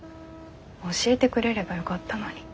教えてくれればよかったのに。